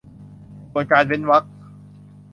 ส่วนการเว้นวรรค